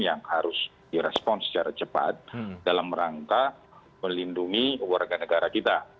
yang harus direspon secara cepat dalam rangka melindungi warga negara kita